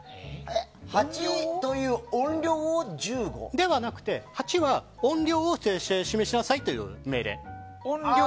８という音量を１５？ではなくて８は音量を示しなさいという命令。